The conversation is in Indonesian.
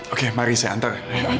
oke mari saya antar